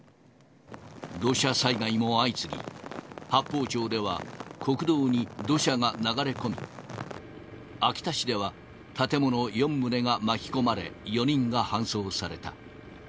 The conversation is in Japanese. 土砂災害も相次ぎ、八峰町では、国道に土砂が流れ込み、秋田市では、建物４棟が巻き込まれ、４人が搬送された。